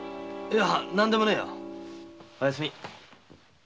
何でもねえよお休み。